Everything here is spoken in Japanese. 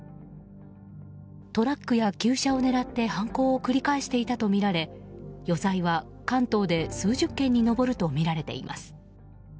トラックや旧車を狙って犯行を繰り返していたとみられ余罪は関東で数十件に上るとみられています。